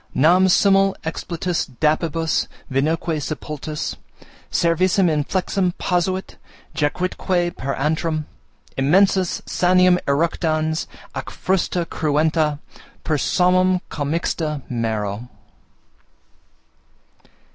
Nam simul expletus dapibus, vinoque sepultus Cervicem inflexam posuit, jacuitque per antrum Immensus, saniem eructans, ac frusta cruenta Per somnum commixta mero.